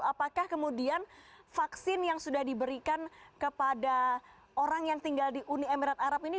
apakah kemudian vaksin yang sudah diberikan kepada orang yang tinggal di uni emirat arab ini